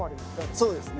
そうですね。